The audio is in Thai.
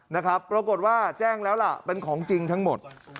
นะครับปรากฏว่าแจ้งแล้วล่ะเป็นของจริงทั้งหมด